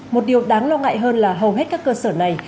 một điều đáng lo ngại hơn là hầu hết các cơ sở này